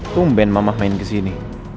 tumben mamah main kesini